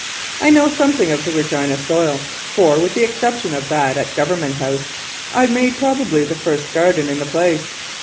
I know something of the Regina soil, for, with the exception of that at Government House, I made probably the arst garden in the place.